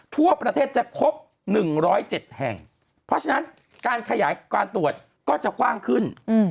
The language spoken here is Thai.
ทั่วประเทศจะครบ๑๐๗แห่งเพราะฉะนั้นการขยายการตรวจก็จะกว้างขึ้น